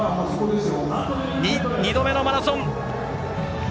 ２度目のマラソン。